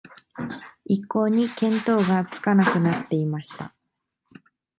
一向に見当がつかなくなっていました